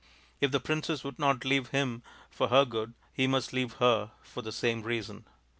If the princess would not leave him for her good, he must leave her for the same reason.